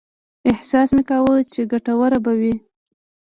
احساس مې کاوه چې ګټوره به وي.